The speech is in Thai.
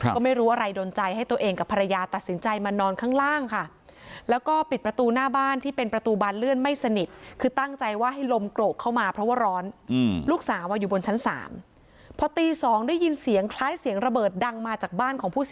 ก็ไม่รู้อะไรดนใจให้ตัวเองกับภรรยาตัดสินใจมานอนข้างล่างค่ะ